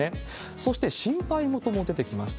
そして心配事も出てきました。